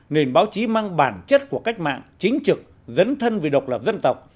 nền báo chí mang bản chất của cách mạng chính trực dấn thân vì độc lập dân tộc